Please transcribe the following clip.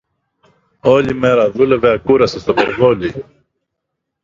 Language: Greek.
Όλη μέρα δούλευε ακούραστα στο περιβόλι